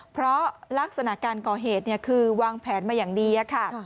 เพราะลักษณะการก่อเหตุคือวางแผนมาอย่างดีค่ะ